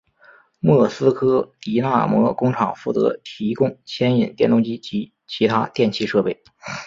莫斯科迪纳摩工厂负责提供牵引电动机及其他电气设备。